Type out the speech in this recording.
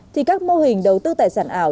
thì các mô hình đầu tư tài sản ảo